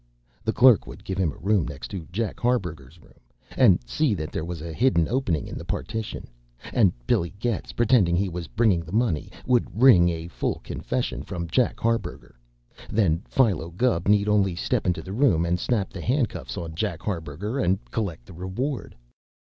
The clerk would give him a room next to Jack Harburger's room, and see that there was a hidden opening in the partition; and Billy Getz, pretending he was bringing the money, would wring a full confession from Jack Harburger. Then Philo Gubb need only step into the room and snap the handcuffs on Jack Harburger and collect the reward.